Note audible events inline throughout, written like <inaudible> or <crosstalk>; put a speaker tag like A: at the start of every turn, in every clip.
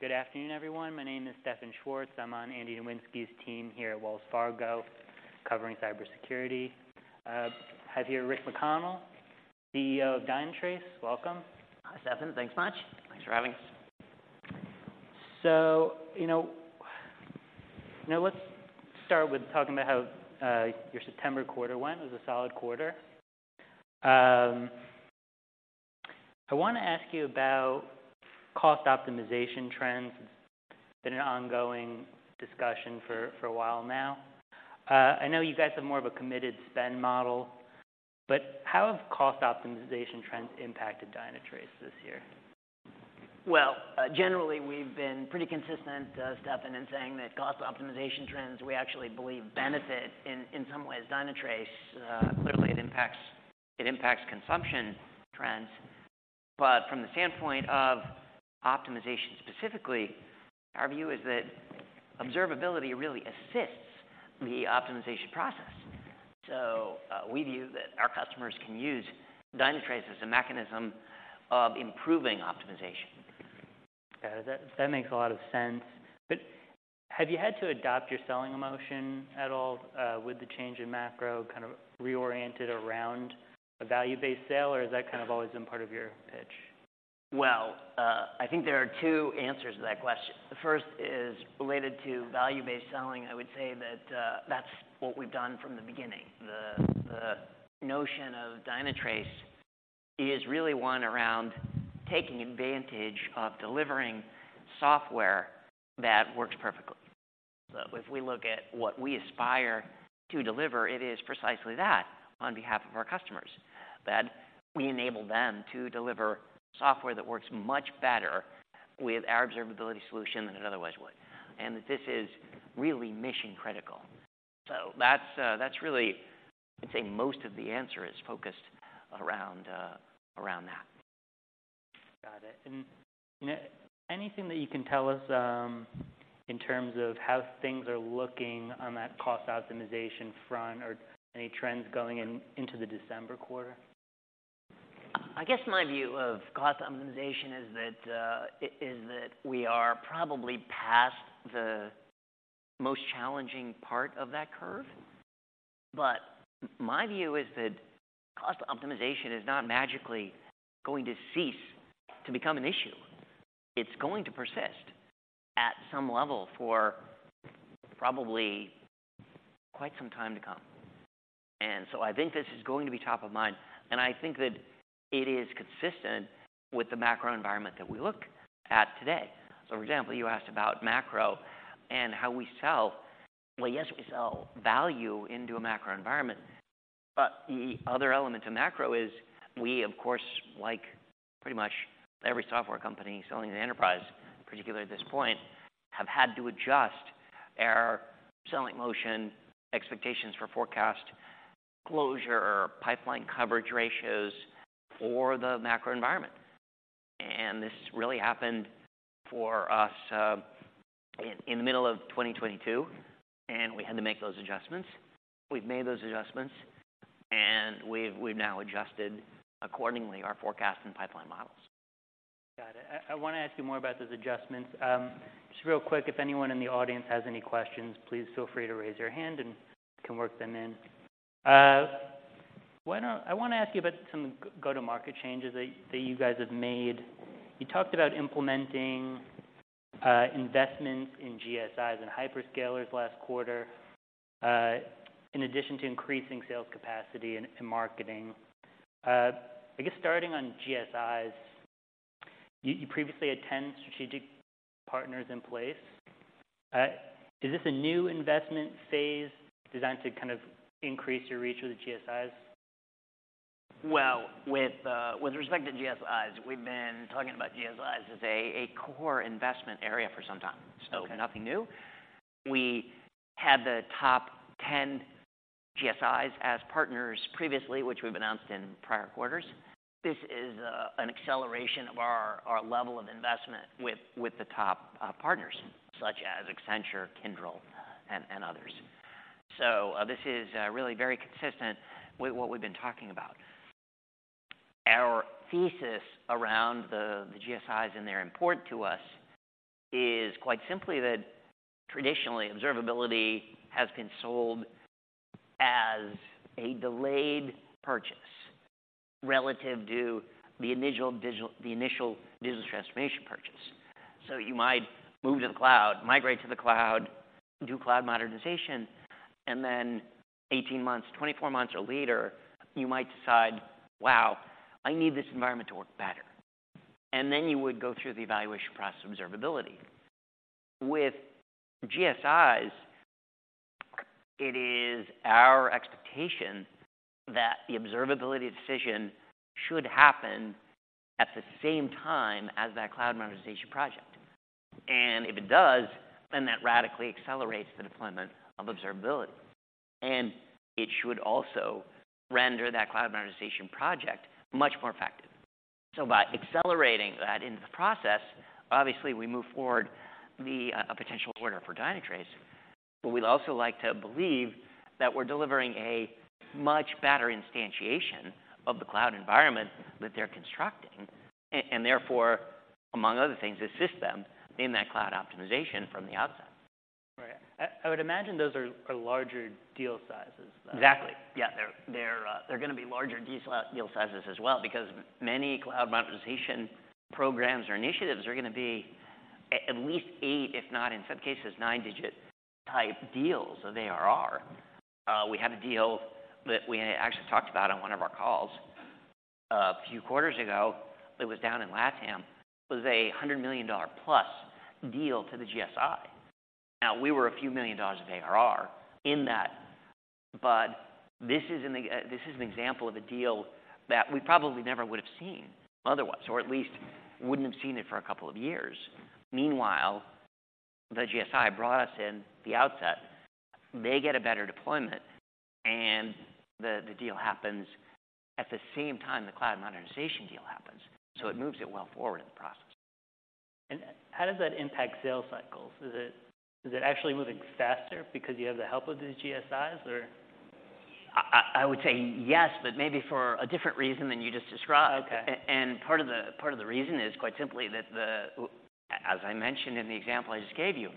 A: Good afternoon, everyone. My name is Stefan Schwartz. I'm on Andy Nowinski's team here at Wells Fargo, covering cybersecurity. I have here Rick McConnell, CEO of Dynatrace. Welcome.
B: Hi, Stefan. Thanks much. Thanks for having us.
A: So, you know, now let's start with talking about how your September quarter went. It was a solid quarter. I want to ask you about cost optimization trends. It's been an ongoing discussion for a while now. I know you guys have more of a committed spend model, but how have cost optimization trends impacted Dynatrace this year?
B: Well, generally, we've been pretty consistent, Stefan, in saying that cost optimization trends we actually believe benefit in, in some ways, Dynatrace. Clearly, it impacts, it impacts consumption trends. But from the standpoint of optimization specifically, our view is that observability really assists the optimization process. So, we view that our customers can use Dynatrace as a mechanism of improving optimization.
A: Yeah, that, that makes a lot of sense. But have you had to adapt your sales motion at all, with the change in macro, kind of reoriented around a value-based sale, or has that kind of always been part of your pitch?
B: Well, I think there are two answers to that question. The first is related to value-based selling. I would say that, that's what we've done from the beginning. The notion of Dynatrace is really one around taking advantage of delivering software that works perfectly. So if we look at what we aspire to deliver, it is precisely that on behalf of our customers, that we enable them to deliver software that works much better with our observability solution than it otherwise would, and that this is really mission critical. So that's, that's really, I'd say, most of the answer is focused around, around that.
A: Got it. You know, anything that you can tell us in terms of how things are looking on that cost optimization front or any trends going into the December quarter?
B: I guess my view of cost optimization is that it is that we are probably past the most challenging part of that curve. But my view is that cost optimization is not magically going to cease to become an issue. It's going to persist at some level for probably quite some time to come. And so I think this is going to be top of mind, and I think that it is consistent with the macro environment that we look at today. So for example, you asked about macro and how we sell. Well, yes, we sell value into a macro environment, but the other element to macro is we, of course, like pretty much every software company selling to enterprise, particularly at this point, have had to adjust our selling motion, expectations for forecast closure, or pipeline coverage ratios for the macro environment. This really happened for us in the middle of 2022, and we had to make those adjustments. We've made those adjustments, and we've now adjusted accordingly, our forecast and pipeline models.
A: Got it. I want to ask you more about those adjustments. Just real quick, if anyone in the audience has any questions, please feel free to raise your hand and we can work them in. Why don't I want to ask you about some go-to-market changes that you guys have made. You talked about implementing investments in GSIs and hyperscalers last quarter, in addition to increasing sales capacity and marketing. I guess starting on GSIs, you previously had 10 strategic partners in place. Is this a new investment phase designed to kind of increase your reach with the GSIs?
B: Well, with respect to GSIs, we've been talking about GSIs as a core investment area for some time, so nothing new. We had the top 10 GSIs as partners previously, which we've announced in prior quarters. This is an acceleration of our level of investment with the top partners such as Accenture, Kyndryl, and others. So, this is really very consistent with what we've been talking about. Our thesis around the GSIs and they're important to us is quite simply that traditionally, observability has been sold as a delayed purchase relative to the initial digital business transformation purchase. So you might move to the cloud, migrate to the cloud, do cloud modernization, and then 18 months, 24 months or later, you might decide, "Wow, I need this environment to work better." And then you would go through the evaluation process of observability. With GSIs, it is our expectation that the observability decision should happen at the same time as that cloud modernization project, and if it does, then that radically accelerates the deployment of observability, and it should also render that cloud modernization project much more effective. So by accelerating that into the process, obviously, we move forward to be a potential order for Dynatrace, but we'd also like to believe that we're delivering a much better instantiation of the cloud environment that they're constructing. And therefore, among other things, assist them in that cloud optimization from the outset.
A: Right. I would imagine those are larger deal sizes than?
B: Exactly. Yeah, they're gonna be larger deal sizes as well, because many cloud modernization programs or initiatives are gonna be at least eight-, if not in some cases, nine-digit type deals of ARR. We had a deal that we actually talked about on one of our calls a few quarters ago, that was down in LATAM. It was a $100 million+ deal to the GSI. Now, we were a few million dollars of ARR in that, but this is an example of a deal that we probably never would have seen otherwise, or at least wouldn't have seen it for a couple of years. Meanwhile, the GSI brought us in the outset. They get a better deployment, and the deal happens at the same time the cloud modernization deal happens, so it moves it well forward in the process.
A: How does that impact sales cycles? Is it, is it actually moving faster because you have the help of the GSIs, or?
B: I would say yes, but maybe for a different reason than you just described.
A: Okay.
B: And part of the reason is quite simply that, as I mentioned in the example I just gave you,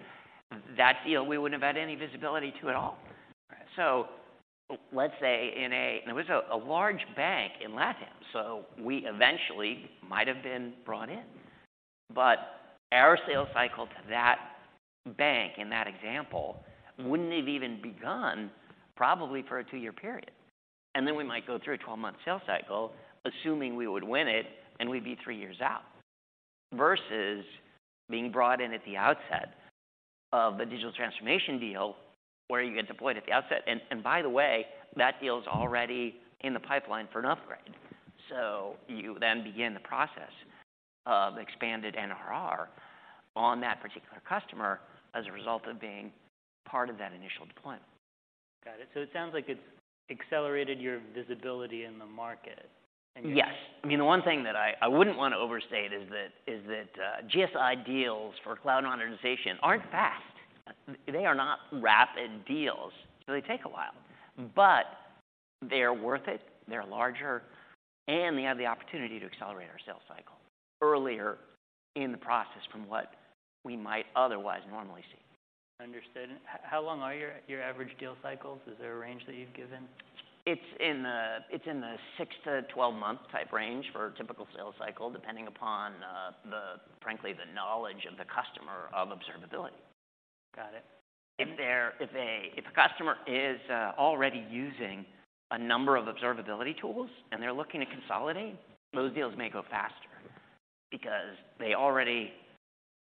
B: that deal we wouldn't have had any visibility to at all.
A: Right.
B: So let's say it was a large bank in LATAM, so we eventually might have been brought in, but our sales cycle to that bank in that example wouldn't have even begun probably for a two-year period. And then we might go through a 12-month sales cycle, assuming we would win it, and we'd be three years out. Versus being brought in at the outset of the digital transformation deal, where you get deployed at the outset. And by the way, that deal's already in the pipeline for an upgrade. So you then begin the process of expanded NRR on that particular customer as a result of being part of that initial deployment.
A: Got it. So it sounds like it's accelerated your visibility in the market, and you're-
B: Yes. I mean, the one thing that I wouldn't want to overstate is that, GSI deals for cloud modernization aren't fast. They are not rapid deals, so they take a while. But they're worth it, they're larger, and they have the opportunity to accelerate our sales cycle earlier in the process from what we might otherwise normally see.
A: Understood. How long are your average deal cycles? Is there a range that you've given?
B: It's in the 6-12-month type range for a typical sales cycle, depending upon, frankly, the knowledge of the customer of observability.
A: Got it.
B: If a customer is already using a number of observability tools and they're looking to consolidate, those deals may go faster because they already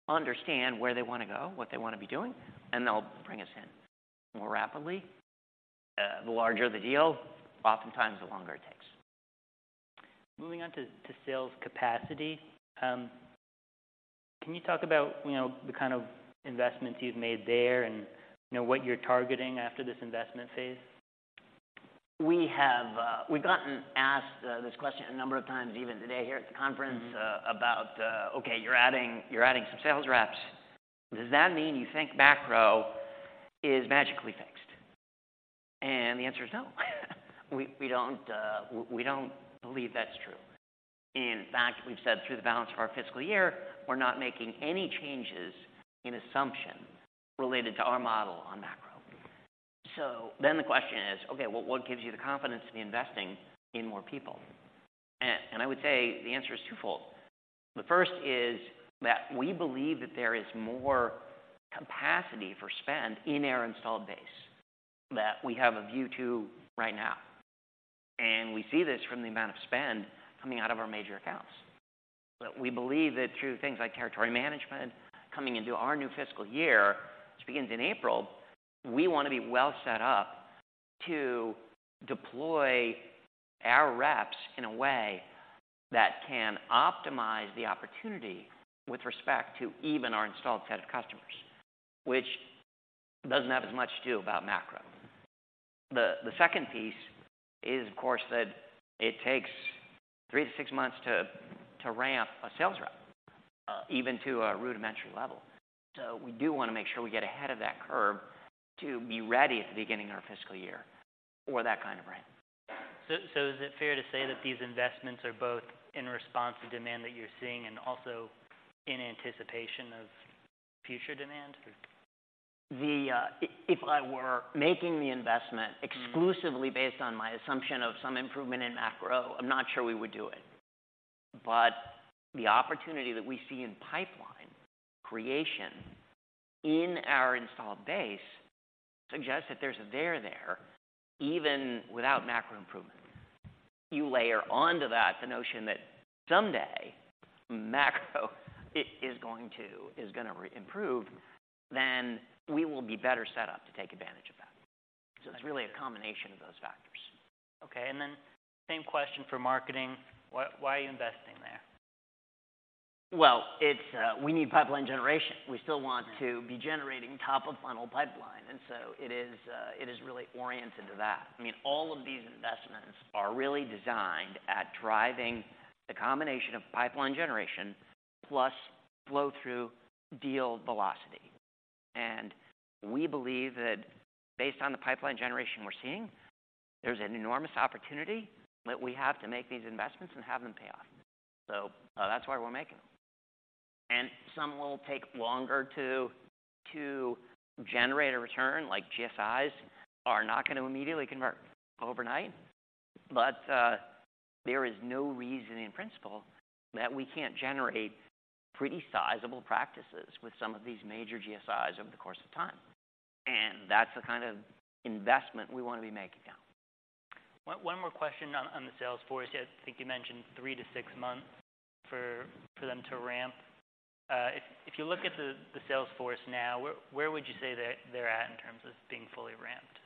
B: understand where they wanna go, what they wanna be doing, and they'll bring us in more rapidly. The larger the deal, oftentimes the longer it takes.
A: Moving on to sales capacity. Can you talk about, you know, the kind of investments you've made there and, you know, what you're targeting after this investment phase?
B: We have, we've gotten asked this question a number of times, even today here at the conference. Okay, you're adding, you're adding some sales reps. Does that mean you think macro is magically fixed? And the answer is no. We don't believe that's true. In fact, we've said through the balance of our fiscal year, we're not making any changes in assumption related to our model on macro. So then the question is, okay, well, what gives you the confidence to be investing in more people? And I would say the answer is twofold. The first is that we believe that there is more capacity for spend in our installed base that we have a view to right now, and we see this from the amount of spend coming out of our major accounts. But we believe that through things like territory management, coming into our new fiscal year, which begins in April, we wanna be well set up to deploy our reps in a way that can optimize the opportunity with respect to even our installed set of customers, which doesn't have as much to do about macro. The second piece is, of course, that it takes three to six months to ramp a Sales Rep, even to a rudimentary level. So we do wanna make sure we get ahead of that curve to be ready at the beginning of our fiscal year for that kind of ramp.
A: So, is it fair to say that these investments are both in response to demand that you're seeing and also in anticipation of future demand?
B: If I were making the investment exclusively based on my assumption of some improvement in macro, I'm not sure we would do it. But the opportunity that we see in pipeline creation in our installed base suggests that there's a there there, even without macro improvement. You layer onto that the notion that someday macro is going to improve, then we will be better set up to take advantage of that.
A: I see.
B: So it's really a combination of those factors.
A: Okay, and then same question for marketing. Why, why are you investing there?
B: Well, it's we need pipeline generation. We still want to be generating top-of-funnel pipeline, and so it is. It is really oriented to that. I mean, all of these investments are really designed at driving the combination of pipeline generation plus flow-through deal velocity. And we believe that based on the pipeline generation we're seeing, there's an enormous opportunity that we have to make these investments and have them pay off. So, that's why we're making them. And some will take longer to generate a return, like GSIs are not going to immediately convert overnight. But, there is no reason in principle that we can't generate pretty sizable practices with some of these major GSIs over the course of time, and that's the kind of investment we want to be making now.
A: One more question on the sales force. I think you mentioned three to six months for them to ramp. If you look at the sales force now, where would you say they're at in terms of being fully ramped?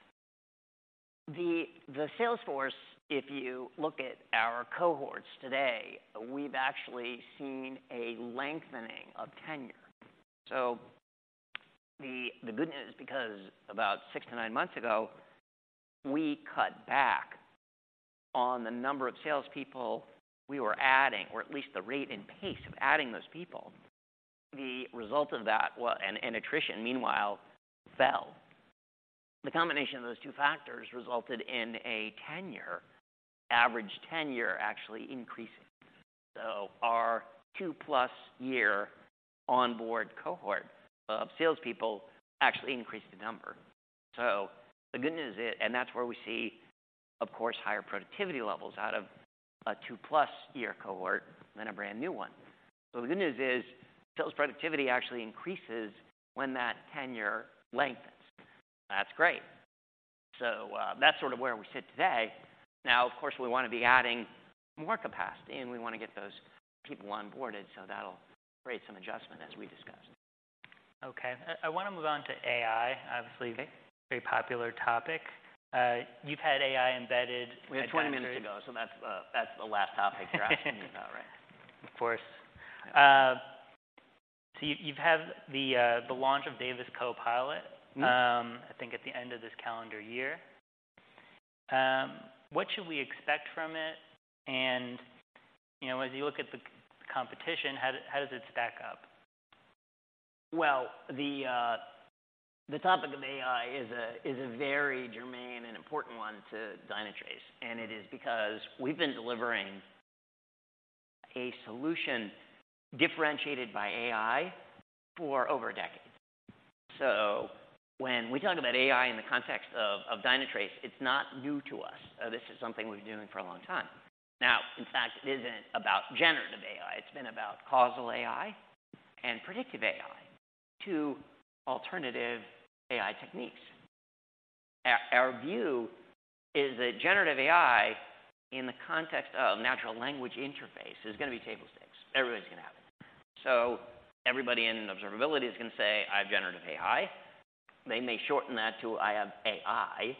B: The sales force, if you look at our cohorts today, we've actually seen a lengthening of tenure. So the good news, because about six to nine months ago, we cut back on the number of Salespeople we were adding, or at least the rate and pace of adding those people. The result of that was, and attrition, meanwhile, fell. The combination of those two factors resulted in a tenure, average tenure, actually increasing. So our two-plus year onboard cohort of salespeople actually increased the number. So the good news is, and that's where we see, of course, higher productivity levels out of a two-plus year cohort than a brand-new one. So the good news is, sales productivity actually increases when that tenure lengthens. That's great. So that's sort of where we sit today. Now, of course, we want to be adding more capacity, and we want to get those people onboarded, so that'll create some adjustment, as we discussed.
A: Okay. I want to move on to AI. Obviously, a very popular topic. You've had AI embedded-
B: We have 20 minutes to go, so that's, that's the last topic you're asking me about, right?
A: Of course. So you, you've had the launch of Davis CoPilot I think at the end of this calendar year. What should we expect from it? And, you know, as you look at the competition, how does, how does it stack up?
B: Well, the topic of AI is a very germane and important one to Dynatrace, and it is because we've been delivering a solution differentiated by AI for over a decade. So when we talk about AI in the context of Dynatrace, it's not new to us. This is something we've been doing for a long time. Now, in fact, it isn't about generative AI, it's been about causal AI and predictive AI, two alternative AI techniques. Our view is that generative AI, in the context of natural language interface, is going to be table stakes. Everybody's going to have it. So everybody in observability is going to say, "I have generative AI." They may shorten that to, "I have AI,"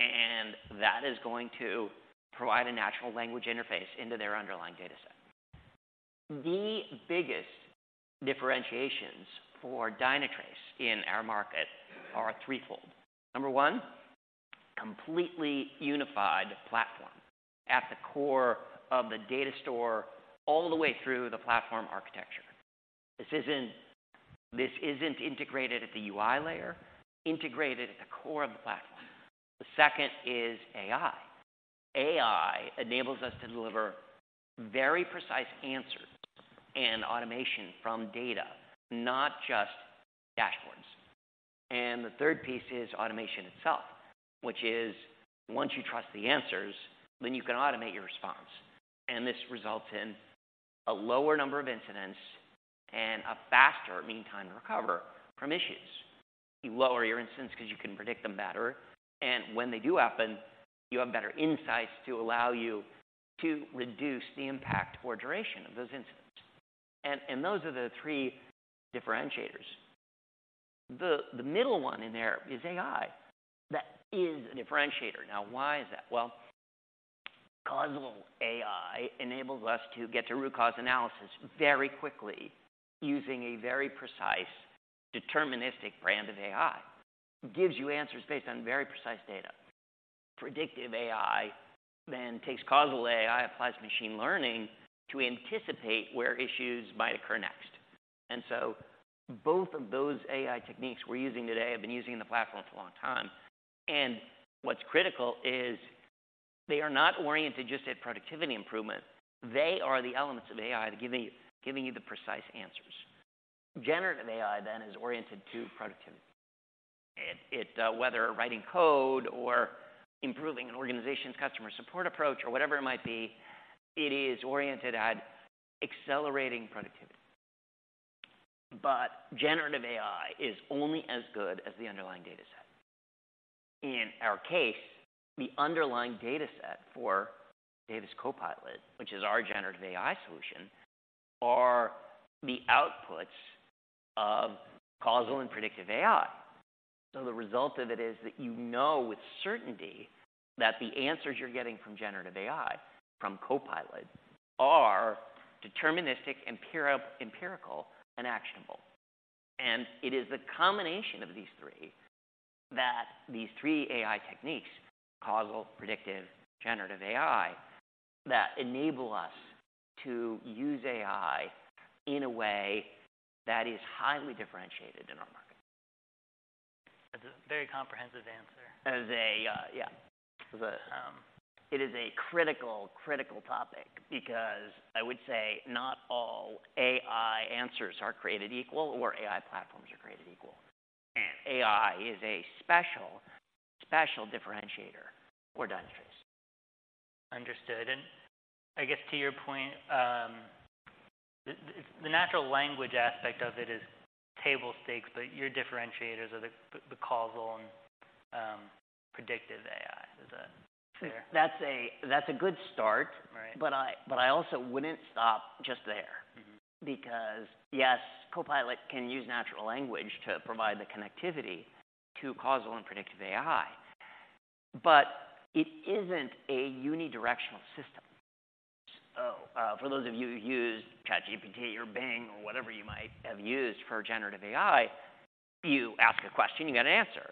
B: and that is going to provide a natural language interface into their underlying data set. The biggest differentiations for Dynatrace in our market are threefold. Number one, completely unified platform at the core of the data store, all the way through the platform architecture. This isn't integrated at the UI layer, integrated at the core of the platform. The second is AI. AI enables us to deliver very precise answers and automation from data, not just dashboards. And the third piece is automation itself, which is once you trust the answers, then you can automate your response, and this results in a lower number of incidents and a faster mean time to recover from issues. You lower your incidents because you can predict them better, and when they do happen, you have better insights to allow you to reduce the impact or duration of those incidents. And those are the three differentiators. The middle one in there is AI. That is a differentiator. Now, why is that? Well, Causal AI enables us to get to root cause analysis very quickly using a very precise, deterministic brand of AI. It gives you answers based on very precise data. Predictive AI then takes Causal AI, applies machine learning to anticipate where issues might occur next. And so both of those AI techniques we're using today have been used in the platform for a long time, and what's critical is they are not oriented just at productivity improvement. They are the elements of AI giving you, giving you the precise answers. Generative AI then is oriented to productivity. It, it, whether writing code or improving an organization's customer support approach or whatever it might be, it is oriented at accelerating productivity. But generative AI is only as good as the underlying data set. In our case, the underlying data set for Davis CoPilot, which is our Generative AI solution, are the outputs of Causal and Predictive AI. So the result of it is that you know with certainty that the answers you're getting from Generative AI, from Copilot, are deterministic, empirical, and actionable. And it is the combination of these three AI techniques, Causal, Predictive, Generative AI, that enable us to use AI in a way that is highly differentiated in our market.
A: That's a very comprehensive answer.
B: That is a, yeah. It's a, it is a critical, critical topic because I would say not all AI answers are created equal, or AI platforms are created equal. And AI is a special, special differentiator for Dynatrace.
A: Understood. And I guess to your point, the natural language aspect of it is table stakes, but your differentiators are the Causal and Predictive AI. Is that fair?
B: That's a good start.
A: Right.
B: But I also wouldn't stop just there. Because, yes, Copilot can use natural language to provide the connectivity to causal and predictive AI, but it isn't a unidirectional system. So, for those of you who've used ChatGPT or Bing or whatever you might have used for generative AI, you ask a question, you get an answer,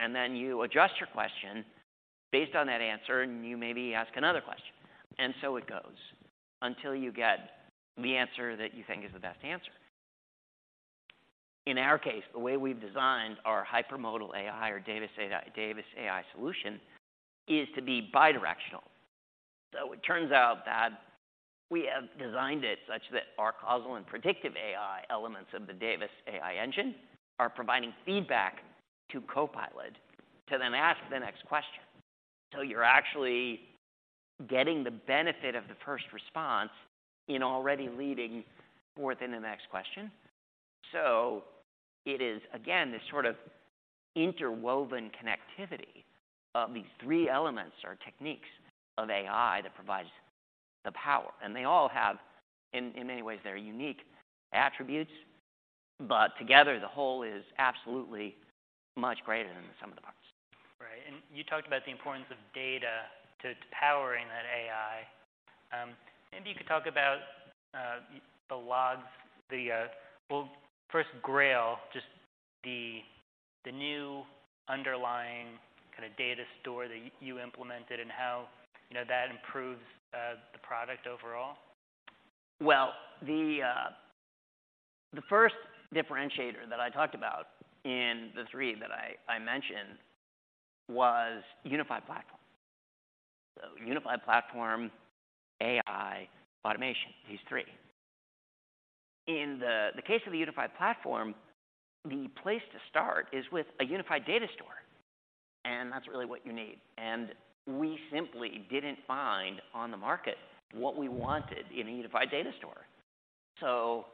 B: and then you adjust your question based on that answer, and you maybe ask another question. And so it goes until you get the answer that you think is the best answer. In our case, the way we've designed our Hypermodal AI or Davis AI, Davis AI solution is to be bidirectional. So it turns out that we have designed it such that our causal and predictive AI elements of the Davis AI engine are providing feedback to Copilot to then ask the next question. So you're actually getting the benefit of the first response in already leading forth in the next question. So it is, again, this sort of interwoven connectivity of these three elements or techniques of AI that provides the power, and they all have, in many ways, they're unique attributes, but together, the whole is absolutely much greater than the sum of the parts.
A: Right. And you talked about the importance of data to powering that AI. Maybe you could talk about the logs, the. Well, first, Grail, just the new underlying kind of data store that you implemented and how, you know, that improves the product overall.
B: Well, the first differentiator that I talked about in the three that I mentioned was unified platform. So unified platform, AI, automation, these three. In the case of the unified platform, the place to start is with a unified data store, and that's really what you need. And we simply didn't find on the market what we wanted in a unified data store. So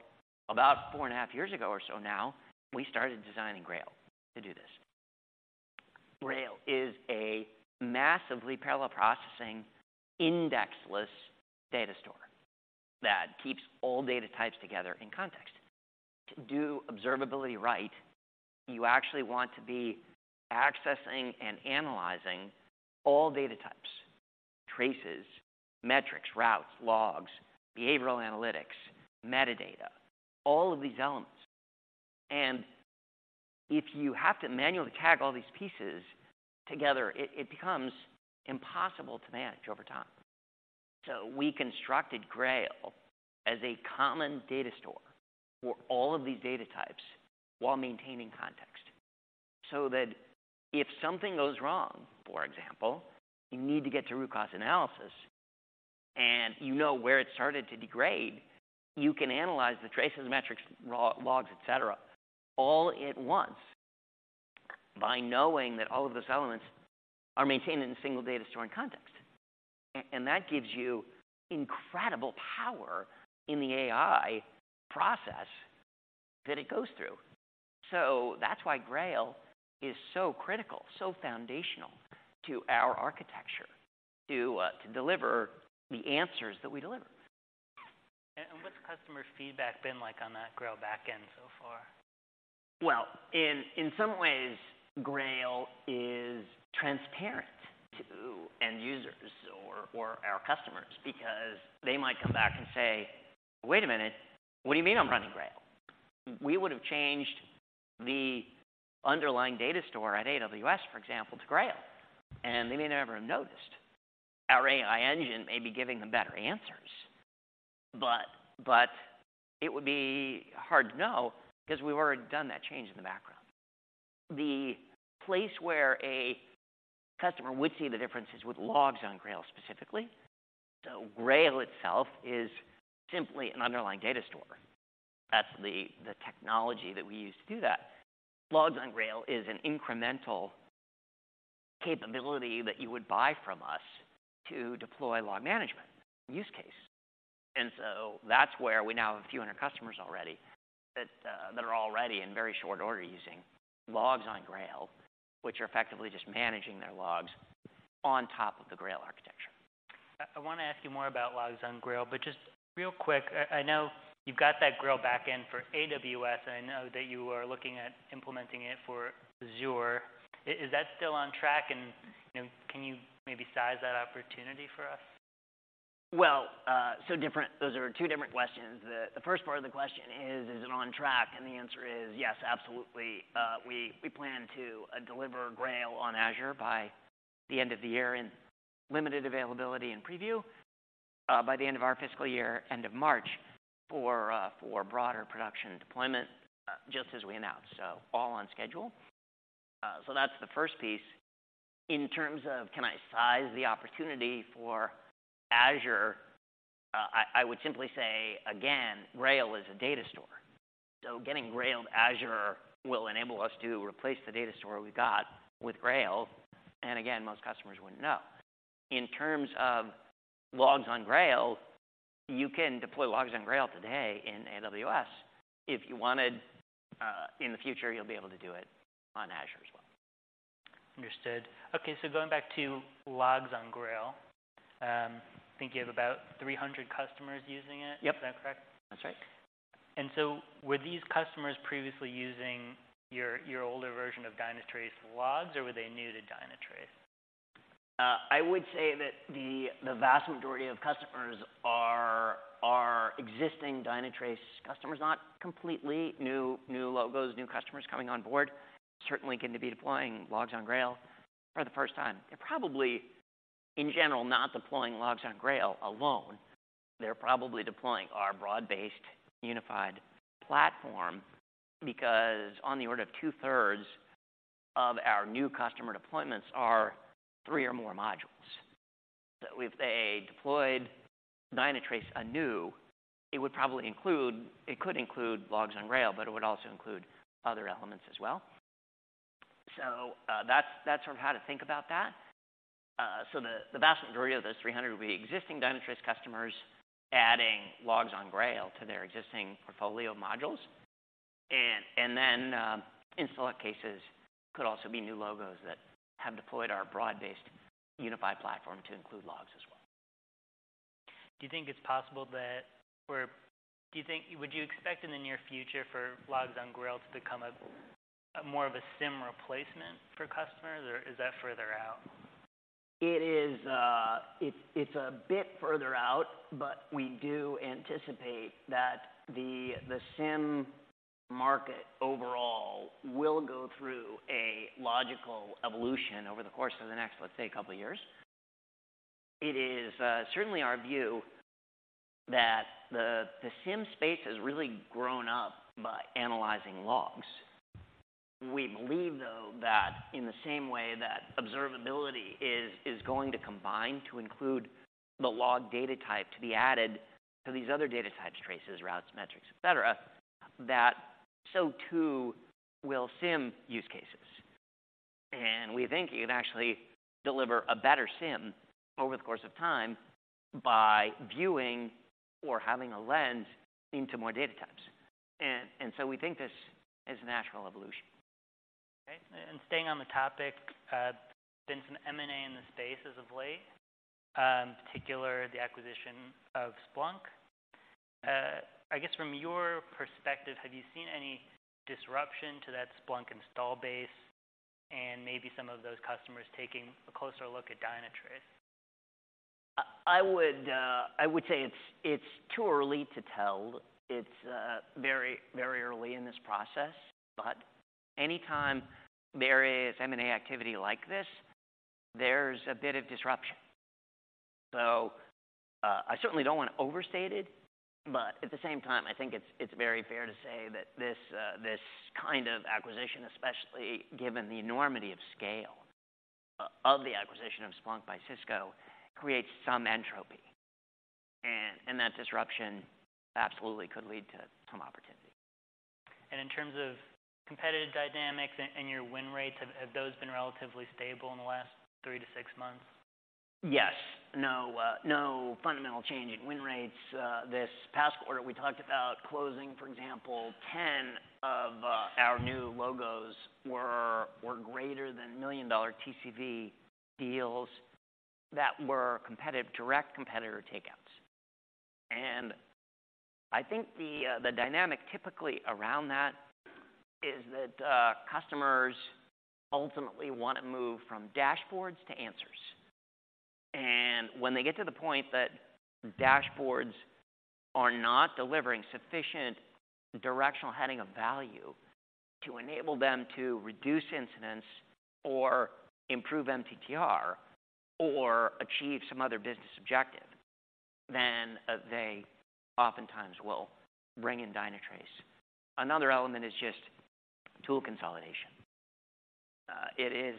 B: about 4.5 years ago or so now, we started designing Grail to do this. Grail is a massively parallel processing, indexless data store that keeps all data types together in context. To do observability right, you actually want to be accessing and analyzing all data types: traces, metrics, routes, logs, behavioral analytics, metadata, all of these elements. And if you have to manually tag all these pieces together, it becomes impossible to manage over time. So we constructed Grail as a common data store for all of these data types while maintaining context, so that if something goes wrong, for example, you need to get to root cause analysis, and you know where it started to degrade, you can analyze the traces, metrics, logs, et cetera, all at once by knowing that all of those elements are maintained in a single data store and context. And that gives you incredible power in the AI process that it goes through. So that's why Grail is so critical, so foundational to our architecture, to deliver the answers that we deliver.
A: What's customer feedback been like on that Grail back end so far?
B: Well, in some ways, Grail is transparent to end users or our customers because they might come back and say, "Wait a minute, what do you mean I'm running Grail?" We would have changed the underlying data store at AWS, for example, to Grail, and they may never have noticed. Our AI engine may be giving them better answers, but it would be hard to know because we've already done that change in the background. The place where a customer would see the difference is with logs on Grail, specifically. So Grail itself is simply an underlying data store. That's the technology that we use to do that. Logs on Grail is an incremental capability that you would buy from us to deploy log management use case. And so that's where we now have a few hundred customers already that that are already in very short order using Logs on Grail, which are effectively just managing their logs on top of the Grail architecture.
A: I wanna ask you more about logs on Grail, but just real quick, I know you've got that Grail back end for AWS, and I know that you are looking at implementing it for Azure. Is that still on track? And, you know, can you maybe size that opportunity for us?
B: Well, so different. Those are two different questions. The first part of the question is, is it on track? And the answer is yes, absolutely. We plan to deliver Grail on Azure by the end of the year, in limited availability and preview, by the end of our fiscal year, end of March, for broader production deployment, just as we announced. So all on schedule. So that's the first piece. In terms of, can I size the opportunity for Azure, I would simply say again, Grail is a data store. So getting Grail on Azure will enable us to replace the data store we've got with Grail, and again, most customers wouldn't know. In terms of Logs on Grail, you can deploy Logs on Grail today in AWS. If you wanted, in the future, you'll be able to do it on Azure as well.
A: Understood. Okay, so going back to Logs on Grail, I think you have about 300 customers using it?
B: Yep.
A: Is that correct?
B: That's right.
A: And so were these customers previously using your, your older version of Dynatrace Logs, or were they new to Dynatrace?
B: I would say that the vast majority of customers are existing Dynatrace customers, not completely new logos, new customers coming on board, certainly going to be deploying Logs on Grail for the first time. They're probably, in general, not deploying Logs on Grail alone. They're probably deploying our broad-based, unified platform, because on the order of 2/3 of our new customer deployments are three or more modules. So if they deployed Dynatrace anew, it would probably include, it could include Logs on Grail, but it would also include other elements as well. So, that's sort of how to think about that. So the vast majority of those 300 would be existing Dynatrace customers adding Logs on Grail to their existing portfolio modules. And then, in select cases, could also be new logos that have deployed our broad-based, unified platform to include Logs as well.
A: Would you expect in the near future for Logs on Grail to become a more of a SIEM replacement for customers, or is that further out?
B: It is... It's, it's a bit further out, but we do anticipate that the SIEM market overall will go through a logical evolution over the course of the next, let's say, couple years. It is certainly our view that the SIEM space has really grown up by analyzing logs. We believe, though, that in the same way that observability is going to combine to include the log data type to be added to these other data types, traces, metrics, et cetera, that so too will SIEM use cases. And we think you can actually deliver a better SIEM over the course of time by viewing or having a lens into more data types. And so we think this is a natural evolution.
A: Okay. Staying on the topic, been some M&A in the space as of late, particular the acquisition of Splunk. I guess from your perspective, have you seen any disruption to that Splunk install base and maybe some of those customers taking a closer look at Dynatrace?
B: I would say it's too early to tell. It's very, very early in this process, but anytime there is M&A activity like this, there's a bit of disruption. So, I certainly don't want to overstate it, but at the same time, I think it's very fair to say that this kind of acquisition, especially given the enormity of scale of the acquisition of Splunk by Cisco, creates some entropy, and that disruption absolutely could lead to some opportunity.
A: In terms of competitive dynamics and your win rates, have those been relatively stable in the last three to six months?
B: Yes. No, no fundamental change in win rates. This past quarter, we talked about closing, for example, 10 of our new logos were greater than $1 million TCV deals that were competitive, direct competitor takeouts. And I think the dynamic typically around that is that customers ultimately want to move from dashboards to answers. And when they get to the point that dashboards are not delivering sufficient directional heading of value to enable them to reduce incidents, or improve MTTR, or achieve some other business objective, then they oftentimes will bring in Dynatrace. Another element is just tool consolidation.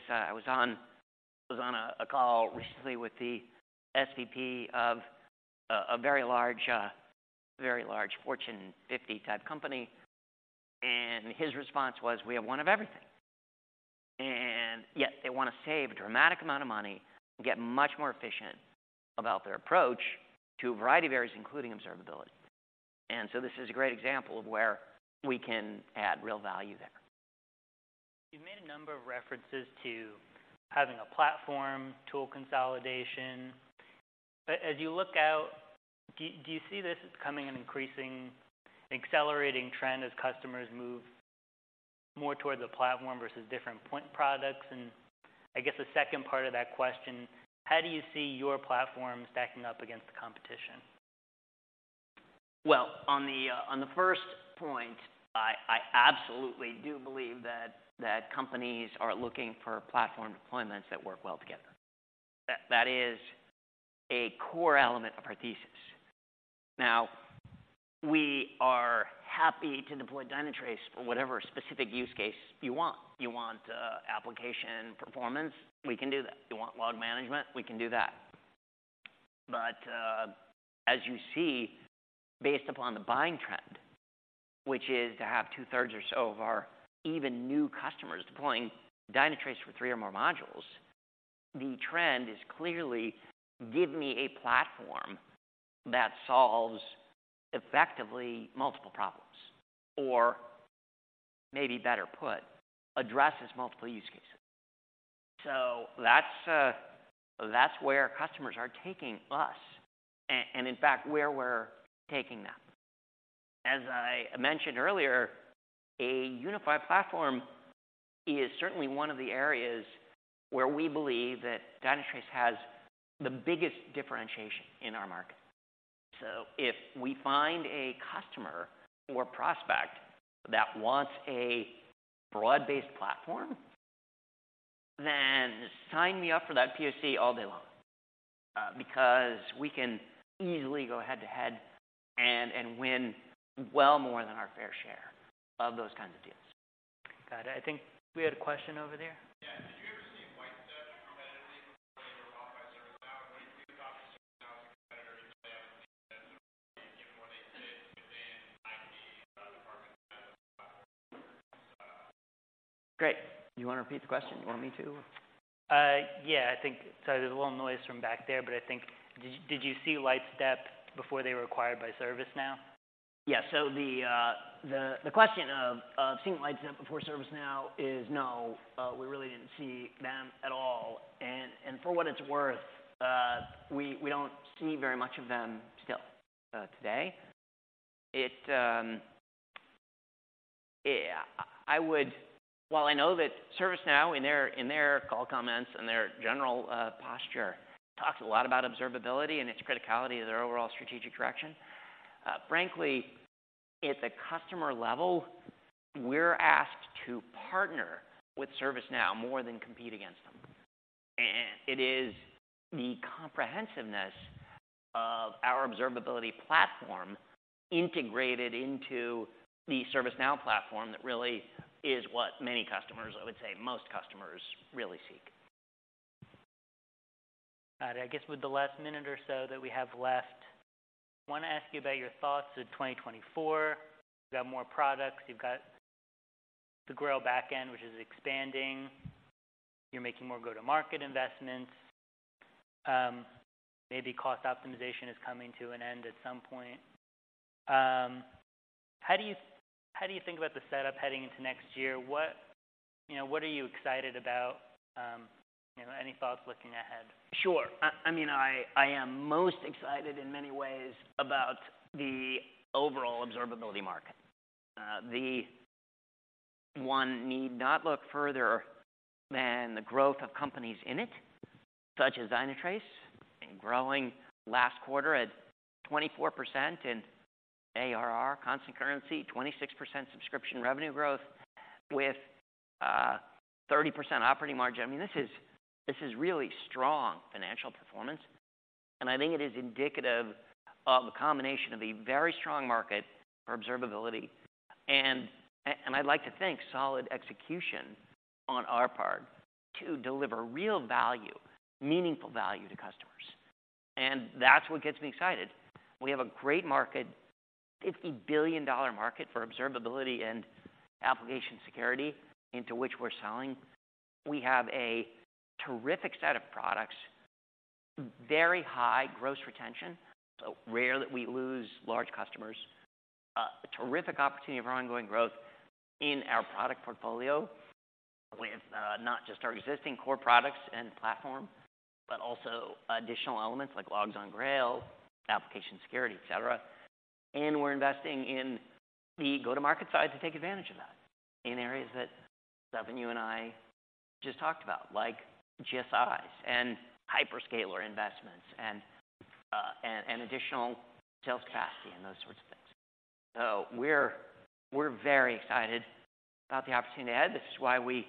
B: I was on a call recently with the SVP of a very large Fortune 50 type company, and his response was, "We have one of everything." And yet they want to save a dramatic amount of money and get much more efficient about their approach to a variety of areas, including observability. And so this is a great example of where we can add real value there.
A: You've made a number of references to having a platform, tool consolidation. But as you look out, do you see this as becoming an increasing, accelerating trend as customers move more towards the platform versus different point products? And I guess the second part of that question, how do you see your platform stacking up against the competition?
B: Well, on the first point, I absolutely do believe that companies are looking for platform deployments that work well together. That is a core element of our thesis. Now, we are happy to deploy Dynatrace for whatever specific use case you want. You want application performance, we can do that. You want log management, we can do that. But as you see, based upon the buying trend, which is to have 2/3s or so of our even new customers deploying Dynatrace for three or more modules, the trend is clearly: give me a platform that solves effectively multiple problems, or maybe better put, addresses multiple use cases. So that's where customers are taking us, and in fact, where we're taking them. As I mentioned earlier, a unified platform is certainly one of the areas where we believe that Dynatrace has the biggest differentiation in our market. So if we find a customer or prospect that wants a broad-based platform, then sign me up for that POC all day long, because we can easily go head-to-head and win well more than our fair share of those kinds of deals.
A: Got it. I think we had a question over there.
C: Yeah. Did you ever see Lightstep competitively before they were bought by ServiceNow? When you do talk to ServiceNow competitors, <inaudible>
B: Great. You want to repeat the question, or you want me to?
A: Yeah, I think... Sorry, there's a little noise from back there, but I think, did you see Lightstep before they were acquired by ServiceNow?
B: Yeah. So the question of seeing Lightstep before ServiceNow is no, we really didn't see them at all. And for what it's worth, we don't see very much of them still today. Yeah, I would—while I know that ServiceNow in their call comments and their general posture talks a lot about observability and its criticality to their overall strategic direction, frankly, at the customer level, we're asked to partner with ServiceNow more than compete against them. And it is the comprehensiveness of our observability platform integrated into the ServiceNow platform that really is what many customers, I would say, most customers really seek.
A: Got it. I guess with the last minute or so that we have left, want to ask you about your thoughts of 2024. You've got more products, you've got the Grail backend, which is expanding. You're making more go-to-market investments. Maybe cost optimization is coming to an end at some point. How do you, how do you think about the setup heading into next year? What, you know, what are you excited about? You know, any thoughts looking ahead?
B: Sure. I mean, I am most excited in many ways about the overall observability market. The one need not look further than the growth of companies in it, such as Dynatrace, growing last quarter at 24% in ARR, constant currency, 26% subscription revenue growth with 30% operating margin. I mean, this is, this is really strong financial performance, and I think it is indicative of a combination of a very strong market for observability and I'd like to think, solid execution on our part to deliver real value, meaningful value to customers. And that's what gets me excited. We have a great market, $50 billion market for observability and application security into which we're selling. We have a terrific set of products, very high gross retention, so rare that we lose large customers. A terrific opportunity for ongoing growth in our product portfolio with not just our existing core products and platform, but also additional elements like Logs on Grail, application security, et cetera. And we're investing in the go-to-market side to take advantage of that in areas that, Devin, you and I just talked about, like GSIs and Hyperscaler investments and additional sales capacity and those sorts of things. So we're very excited about the opportunity ahead. This is why we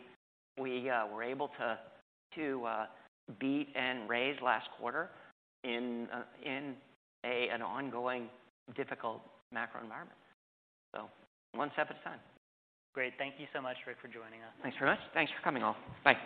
B: were able to beat and raise last quarter in an ongoing difficult macro environment. So one step at a time.
A: Great. Thank you so much, Rick, for joining us.
B: Thanks very much. Thanks for coming, all. Bye.